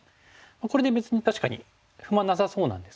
これで別に確かに不満なさそうなんですけども。